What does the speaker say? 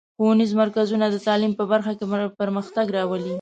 ښوونیز مرکزونه د تعلیم په برخه کې پرمختګ راولي.